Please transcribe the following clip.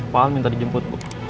pak al minta dijemput